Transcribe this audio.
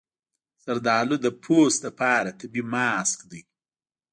زردالو د پوست لپاره طبیعي ماسک دی.